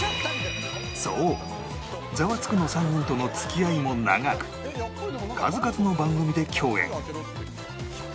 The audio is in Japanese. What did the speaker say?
そう『ザワつく！』の３人との付き合いも長く数々の番組で共演